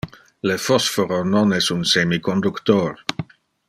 Le phosphoro non es un semiconductor.